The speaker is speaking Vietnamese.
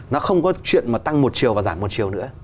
nó không có chuyện mà tăng một chiều và giảm một chiều nữa